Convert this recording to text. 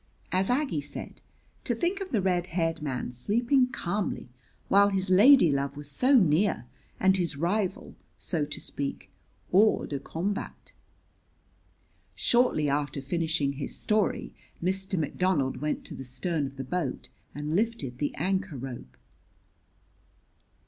As Aggie said, to think of the red haired man sleeping calmly while his lady love was so near and his rival, so to speak, hors de combat! Shortly after finishing his story, Mr. McDonald went to the stern of the boat and lifted the anchor rope.